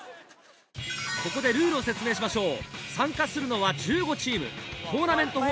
ここでルールを説明しましょう。